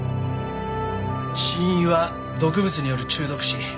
死因は毒物による中毒死。